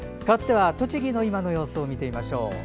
かわっては栃木の今の様子を見てみましょう。